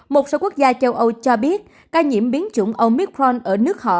một số quốc gia châu âu cho biết ca nhiễm biến chủng omithron ở nước họ